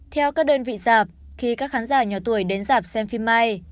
theo các đơn vị giạp khi các khán giả nhỏ tuổi đến giạp xem phim i